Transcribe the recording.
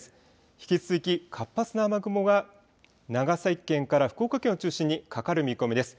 引き続き、活発な雨雲が長崎県から福岡県の中心にかかる見込みです。